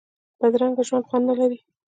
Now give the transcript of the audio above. بدرنګه ژوند خوند نه لري